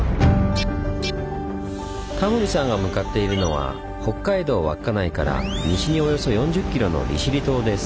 タモリさんが向かっているのは北海道稚内から西におよそ４０ｋｍの利尻島です。